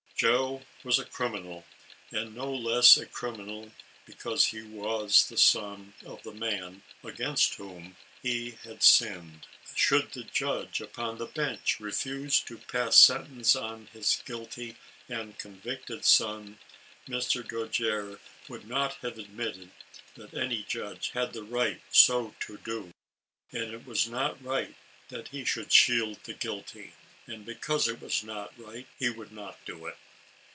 Joe was a criminal, and no less a criminal, because ALICE ; OR, THE WAGES GE SIN. 67 he was the son of the man against whom he had sinned. Should the judge upon the bench refuse to pass sentence on his guilty and con victed son, Mr. Dojere would not have admitted that any judge had a right so to do, and it was not right that he should shield the guilty, and, because it was not right, he would not do it.